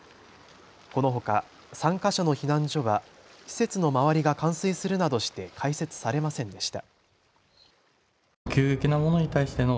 このほか３か所の避難所は施設の周りが冠水するなどして開設されませんでした。